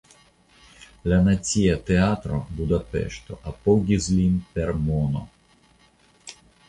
La Nacia Teatro (Budapeŝto) apogis lin per mono.